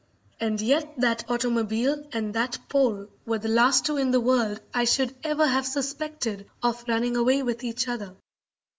And yet that automobile and that Pole were the last two in the world I should ever have suspected of running away with each other.